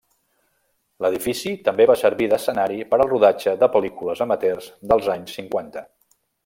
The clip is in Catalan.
L'edifici també va servir d'escenari per al rodatge de pel·lícules amateurs dels anys cinquanta.